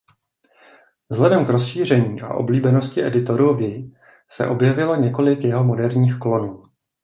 Vzhledem k rozšíření a oblíbenosti editoru vi se objevilo několik jeho moderních klonů.